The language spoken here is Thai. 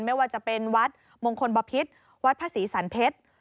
ไม่ว่าจะเป็นวัดมงคลบพิษวัดพระศรีสันเพชร